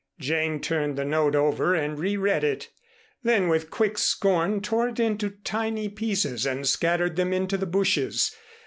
Jane turned the note over and re read it; then with quick scorn, tore it into tiny pieces and scattered them into the bushes.